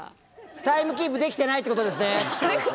「タイムキープできてないってことですね？」って言われてたよ。